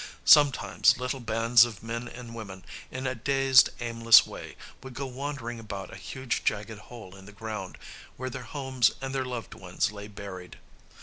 Sometimes little bands of men and women, in a dazed aimless way, would go wandering about a huge jagged hole in the ground, where their homes and their loved ones lay buried.